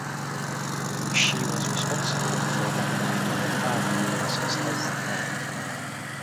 She was responsible for looking after her father as his health failed.